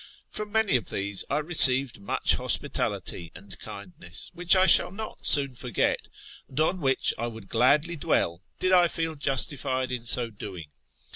From many of these I received much hospitality and kindness, which I shall not soon forget, and on which I would gladly dwell did I feel justified in so doing.